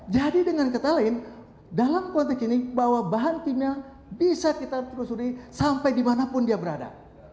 jadi dengan kata lain dalam konteks ini bahwa bahan kimia bisa kita telusuri sampai dimanapun dia berada